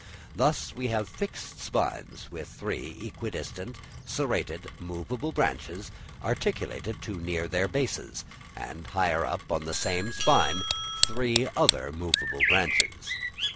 Thus we have fixed spines, with three equi distant, serrated, movable branches, articulated to near their bases; and higher up, on the same spine, three other movable branches.